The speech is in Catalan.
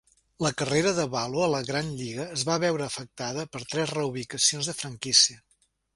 La carrera de Valo a la gran lliga es va veure afectada per tres reubicacions de franquícia.